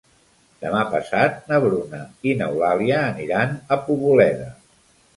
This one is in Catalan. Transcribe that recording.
Demà passat na Bruna i n'Eulàlia aniran a Poboleda.